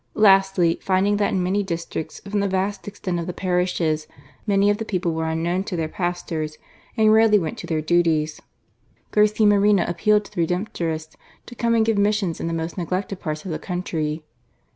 Lastly, finding that in many districts, from the vast extent of the parishes, many of the people were unknown to their pastors and rarely went to their duties, Garcia Moreno appealed to the Redemptorists to come and give missions in the most neglected parts of the countrj'.